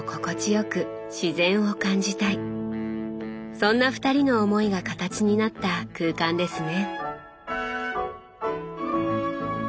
そんな二人の思いが形になった空間ですね。